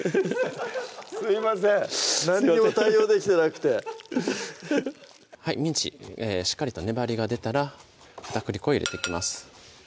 すいません何にも対応できてなくてミンチしっかりと粘りが出たら片栗粉を入れていきます